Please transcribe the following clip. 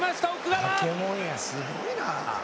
すごいな。